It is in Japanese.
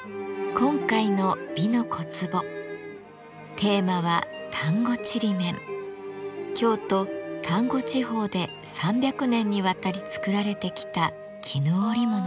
今回の「美の小壺」テーマは京都丹後地方で３００年にわたり作られてきた絹織物です。